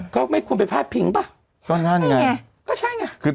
ก็ไม่ควรไปพาดพิงป่ะก็นั่นไงก็ใช่ไงคือ